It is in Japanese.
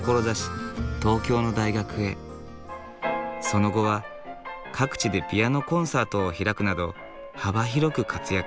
その後は各地でピアノコンサートを開くなど幅広く活躍。